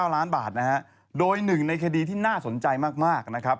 ๙ล้านบาทนะฮะโดยหนึ่งในคดีที่น่าสนใจมากนะครับ